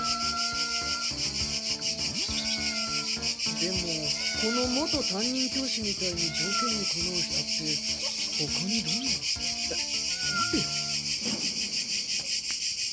でもこの元担任教師みたいに条件に適う人って他にどんなあ待てよ？